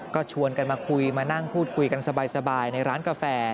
ก็ชวนกันมาคุยมานั่งพูดคุยกันสบายในร้านกาแฟ